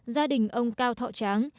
gia đình ông cao thọ tráng